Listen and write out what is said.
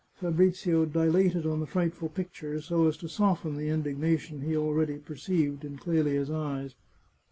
Fabrizio dilated on the frightful picture, so as to soften the indignation he already perceived in Clelia's eyes.